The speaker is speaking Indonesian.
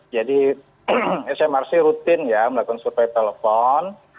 jadi smrc rutin melakukan survei telepon